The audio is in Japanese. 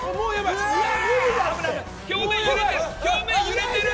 表面、揺れてる。